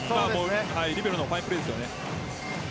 リベロのファインプレーです。